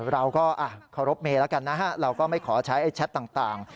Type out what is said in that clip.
เราก็เคารพเมย์แล้วกันนะฮะเราก็ไม่ขอใช้แชทต่าง